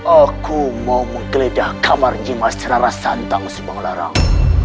aku mau menggeledah kamar jemaah rara santang subanglarang